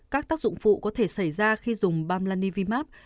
các tác dụng vụ có thể xảy ra khi dùng bamlanivimap